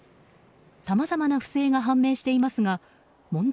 さまざまな不正が判明していますが問題